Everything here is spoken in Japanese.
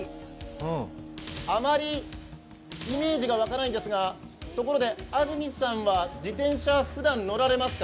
あまりイメージが湧かないんですがところで、安住さんは自転車、ふだん乗られますか？